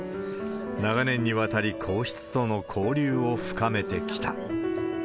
長年にわたり、皇室との交流を深めてきた。